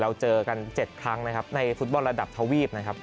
เราเจอกัน๗ครั้งในฟุตบอลระดับทะวีบนะครับ